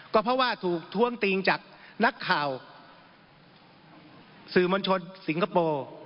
ก็เพราะว่าถูกท้วงติงจากนักข่าวสื่อมวลชนสิงคโปร์